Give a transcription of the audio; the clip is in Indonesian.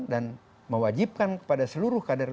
dan mewajibkan kepada seluruh kader golkar dki